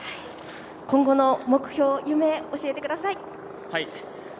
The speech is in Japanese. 今後の目標、夢、教えてください。